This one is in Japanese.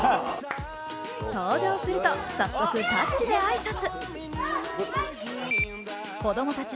登場すると早速タッチで挨拶。